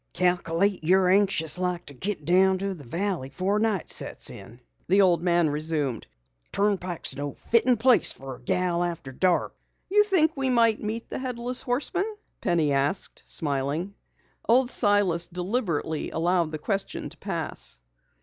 "Calculate you're anxious like to git down to the valley 'fore night sets on," the old man resumed. "The turnpike's no fitten place for a gal after dark." "You think we might meet the Headless Horseman?" Penny asked, smiling. Old Silas deliberately allowed the question to pass.